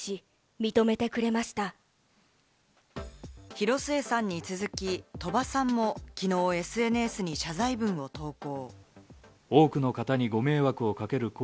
広末さんに続き鳥羽さんも、きのうＳＮＳに謝罪文を投稿。